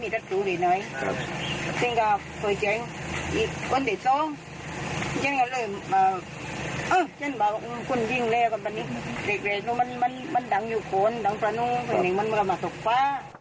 เด็กมันดังอยู่คนดังฝนุคนหนึ่งมันมาตกฟ้า